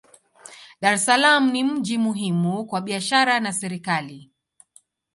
Dar es Salaam ni mji muhimu kwa biashara na serikali.